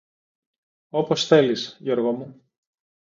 Όπως θέλεις, Γιώργο μου.